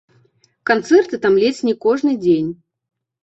Канцэрты там ледзь не кожны дзень.